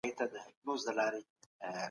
که تاسي سره یو نه سئ هیڅکله به بریالي نه سئ.